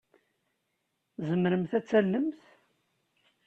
Tzemremt ad d-tallemt?